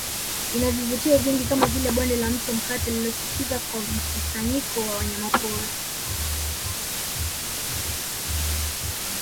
Ina vivutio vingi kama vile Bonde la Mto Mkata linalosifika kwa mkusanyiko wa wanyamapori